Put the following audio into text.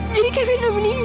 jadi kevin udah meninggal